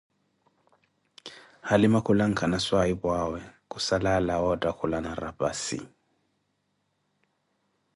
Halima khulanka na swahiphu'awe khussala alawa otthaakulana raphassi